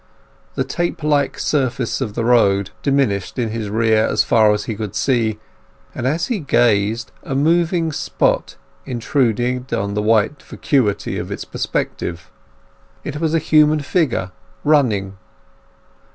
The tape like surface of the road diminished in his rear as far as he could see, and as he gazed a moving spot intruded on the white vacuity of its perspective. It was a human figure running.